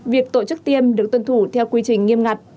việc tổ chức tiêm được tuân thủ theo quy trình nghiêm ngặt